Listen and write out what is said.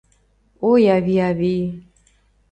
Ой, ави, ави